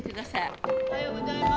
おはようございます。